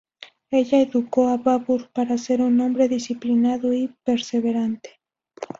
Ella educó a Babur para ser un hombre disciplinado y perseverante.